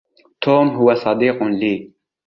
توم هو صديق لي.